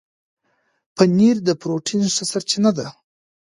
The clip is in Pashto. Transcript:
پنېر د پروټين ښه سرچینه ده.